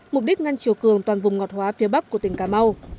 mục đích ngăn chiều cường toàn vùng ngọt hóa phía bắc của tỉnh cà mau